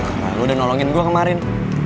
karena lo udah nolongin gue kemarin